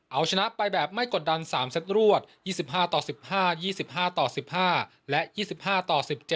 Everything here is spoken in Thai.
เอาชนะไปแบบไม่กดดัน๓เซตรวด๒๕ต่อ๑๕๒๕ต่อ๑๕และ๒๕ต่อ๑๗